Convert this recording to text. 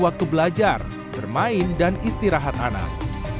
waktu belajar bermain dan istirahat anak